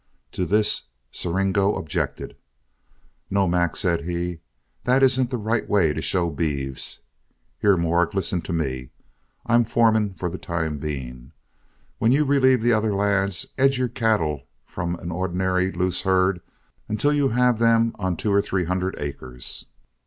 To this Siringo objected. "No, Mac," said he, "that isn't the right way to show beeves. Here, Morg, listen to me; I'm foreman for the time being. When you relieve the other lads, edge in your cattle from an ordinary loose herd until you have them on two or three hundred acres.